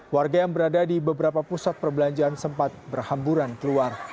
warga yang berada di beberapa pusat perbelanjaan sempat berhamburan keluar